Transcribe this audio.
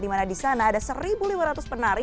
di mana di sana ada satu lima ratus penari